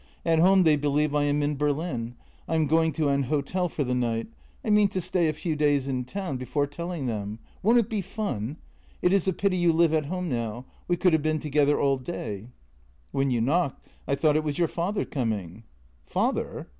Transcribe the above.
At home they believe I am in Berlin. I am going to an hotel for the night. I mean to stay a few days in town before telling them. Won't it be fun! It is a pity you live at home now. We could have been together all day." " When you knocked I thought it was your father coming." "Father?